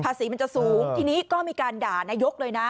สีมันจะสูงทีนี้ก็มีการด่านายกเลยนะ